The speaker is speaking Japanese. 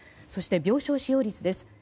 そして病床使用率です。